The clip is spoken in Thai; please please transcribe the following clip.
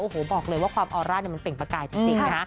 โอ้โหบอกเลยว่าความออร่ามันเปล่งประกายจริงนะฮะ